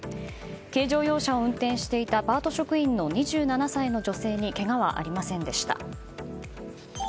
軽乗用車を運転していたパート職員の２７歳の女性にけがはありませんでした。